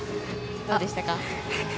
どうでしたか？